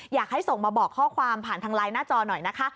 อยากให้ส่งมาบอกข้อความผ่านทางไลน์หน้าจอหน่อยนะคะ